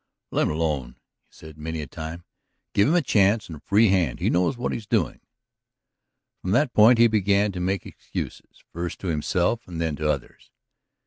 "Let him alone," he said many a time. "Give him his chance and a free hand. He knows what he is doing." From that point he began to make excuses, first to himself and then to others.